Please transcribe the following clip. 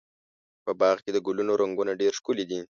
په باغ کې د ګلونو رنګونه ډېر ښکلي دي.